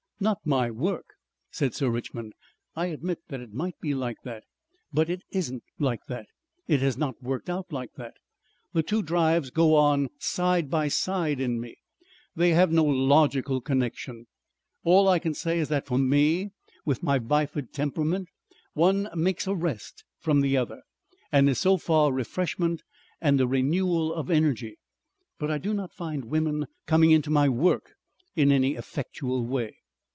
"Not my work," said Sir Richmond. "I admit that it might be like that, but it isn't like that. It has not worked out like that. The two drives go on side by side in me. They have no logical connexion. All I can say is that for me, with my bifid temperament, one makes a rest from the other, and is so far refreshment and a renewal of energy. But I do not find women coming into my work in any effectual way."